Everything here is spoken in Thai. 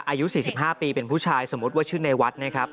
อายุ๔๕ปีเป็นผู้ชายสมมุติว่าชื่อในวัดนะครับ